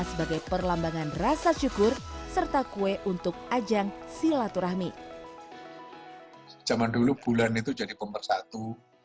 sebagai perlambangan rasa syukur serta kue untuk ajang silaturahmi zaman dulu bulan itu jadi pemersatu